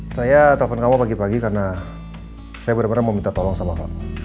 saya telpon kamu pagi pagi karena saya benar benar mau minta tolong sama kamu